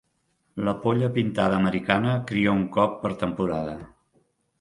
La polla pintada americana cria un cop per temporada.